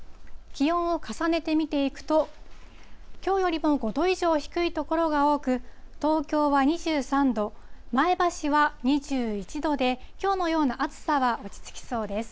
気温を重ねて見ていくと、きょうよりも５度以上低い所が多く、東京は２３度、前橋は２１度で、きょうのような暑さは落ち着きそうです。